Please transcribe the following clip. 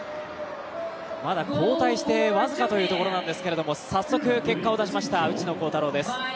まだ交代して僅か、というところですが早速、結果を出しました内野航太郎です。